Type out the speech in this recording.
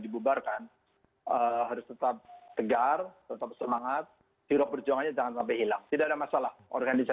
bahwa kekuasaan itu tidak selamanya